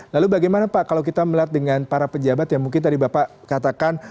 lalu bagaimana pak kalau kita melihat dengan para pejabat yang mungkin tadi bapak katakan